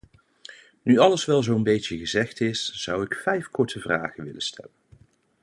Nu alles wel zo'n beetje gezegd is zou ik vijf korte vragen willen stellen.